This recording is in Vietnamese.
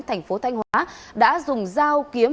tp thanh hóa đã dùng dao kiếm